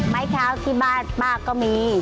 ม้าเท้ากินบาชบ้างก็มี